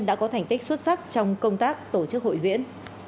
đã có thành tích xuất sắc trong công tác tổ chức hội diễn